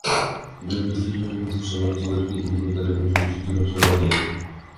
সম্প্রতি ফেসবুকের সহ-প্রতিষ্ঠাতা mark Zuckerberg কৃত্রিম বুদ্ধিমত্তা নিয়ে গবেষণার বিষয়টির ঘোষণাও দিয়েছেন।